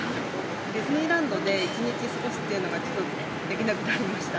ディズニーランドで１日過ごすというのが、ちょっとできなくなりました。